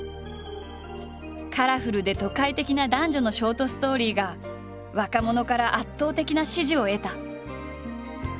カラフルで都会的な男女のショートストーリーが若者から圧倒的な支持を得た。